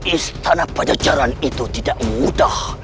istana pajajaran itu tidak mudah